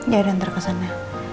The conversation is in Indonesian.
ya dantar kesana